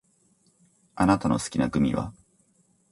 あなたの好きなグミは？